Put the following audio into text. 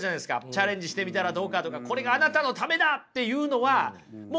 チャレンジしてみたらどうかとかこれがあなたのためだっていうのはもう視点が高いですよね。